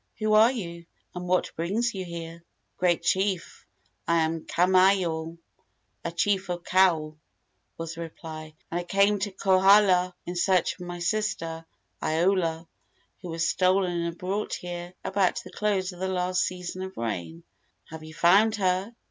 Who are you, and what brings you here?" "Great chief, I am Kamaiole, a chief of Kau," was the reply, "and I came to Kohala in search of my sister, Iola, who was stolen and brought here about the close of the last season of rain." "Have you found her?"